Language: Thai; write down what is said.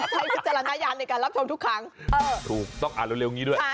วิจารณญาณในการรับชมทุกครั้งถูกต้องอ่านเร็วนี้ด้วย